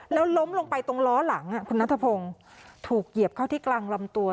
แล้วล้มลงไปตรงล้อหลังคุณนัทพงศ์ถูกเหยียบเข้าที่กลางลำตัว